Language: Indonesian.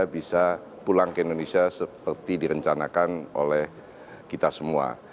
bisa pulang ke indonesia seperti direncanakan oleh kita semua